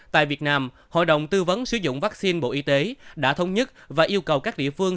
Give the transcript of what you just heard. tại việt nam hội đồng tư vấn sử dụng vaccine bộ y tế đã thống nhất và yêu cầu các địa phương